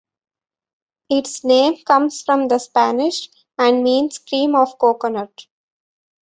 Its name comes from the Spanish, and means "cream of coconut".